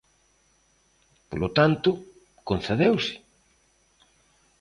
Polo tanto, ¿concedeuse?